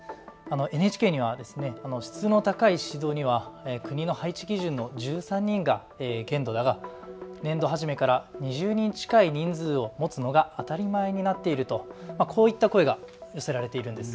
ＮＨＫには質の高い指導には国の配置基準の１３人が限度だが年度初めから２０人近い人数を持つのが当たり前になっていると、こういった声が寄せられているんです。